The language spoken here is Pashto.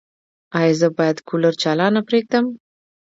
ایا زه باید کولر چالانه پریږدم؟